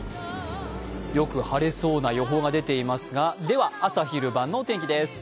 よく晴れそうな予報が出ていますが朝昼晩の天気です。